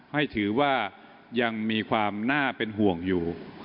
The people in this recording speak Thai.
ให้ถือว่ายังมีความน่าเป็นห่วงอยู่